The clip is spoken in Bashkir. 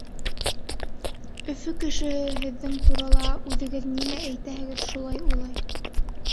Өфө кешеһе һеҙҙең турала үҙегеҙ нимә әйтәһегеҙ, шулай уйлай.